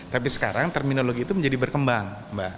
tapi sekarang terminologi itu menjadi berkembang mbak